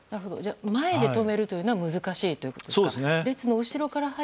前で止めるというのは難しいということですね。